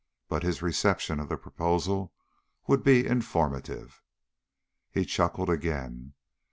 But his reception of the proposal would be informative. He chuckled again.